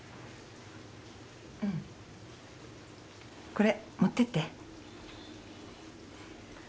これ持ってって。